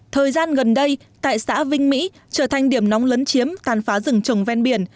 thời gian gần đây tại xã vinh mỹ trở thành điểm nóng lấn chiếm tàn phá rừng trồng ven biển